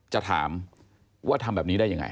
จะถามว่าทำแบบนี้ได้ยังไง